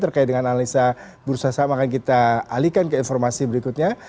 terkait dengan analisa bursa saham akan kita alihkan ke informasi berikutnya